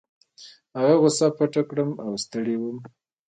هغه غوسه پټه کړم او ستړی وم.